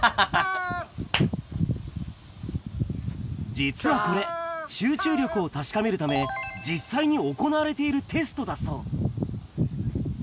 実はこれ、集中力を確かめるため、実際に行われているテストだそう。